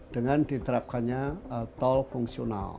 dengan diterapkannya tol fungsional